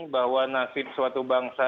bahwa nasib suatu bangsa